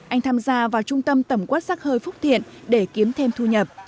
anh tham gia vào trung tâm tẩm quát sắc hơi phúc thiện để kiếm thêm thu nhập